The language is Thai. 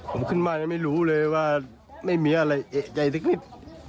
ผมขึ้นมายังไม่รู้เลยว่าไม่มีอะไรเอกใจสักนิด